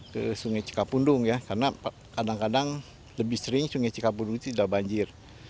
ke sungai cikapundung ya karena kadang kadang lebih sering sungai cikapundung itu sudah banjir